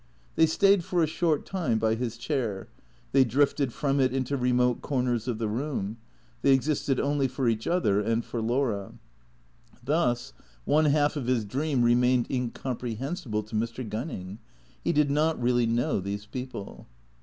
They stayed for a short time by his chair, they drifted from it into remote corners of the room, they existed only for each other and for Laura. Thus one half of his dream remained incom prehensible to Mr. Gunning. He did not really know these people.